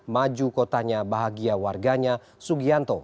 maju kotanya bahagia warganya sugianto